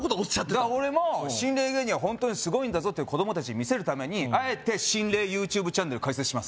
だから俺も心霊芸人ホントにすごいんだぞって子供達に見せるためにあえて心霊ＹｏｕＴｕｂｅチャンネル開設します